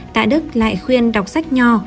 tạ đức lại khuyên đọc sách nho